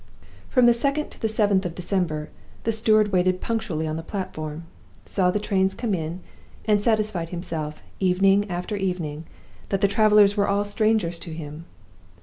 From the 2d to the 7th of December, the steward waited punctually on the platform, saw the trains come in, and satisfied himself, evening after evening, that the travelers were all strangers to him.